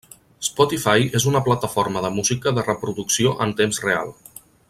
Spotify és una plataforma de música de reproducció en temps real.